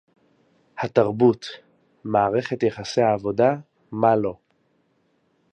התרבות, מערכת יחסי העבודה, מה לא